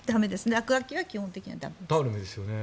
落書きは基本的に駄目です。